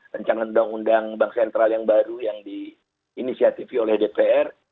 rencana undang undang bank sentral yang baru yang diinisiatifi oleh dpr